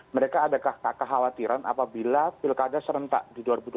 mereka adakah kekhawatiran apabila pilkada serentak di dua ribu dua puluh